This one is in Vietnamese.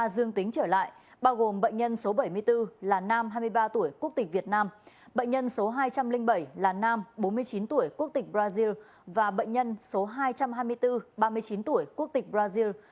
xin chào và hẹn gặp lại